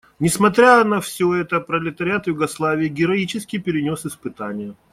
Несмотря на все это пролетариат Югославии героически перенес испытания.